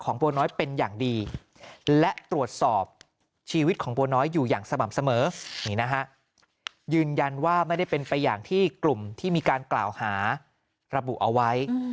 ของบัวน้อยเป็นอย่างดี